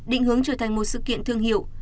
định hướng trở thành một sự kiện thương hiệu